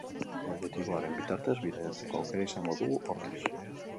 Objektiboaren bitartez bidaiatzeko aukera izango dugu, hortaz.